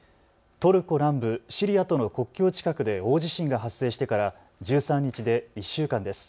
トルコ南部、シリアとの国境近くで大地震が発生してから１３日で１週間です。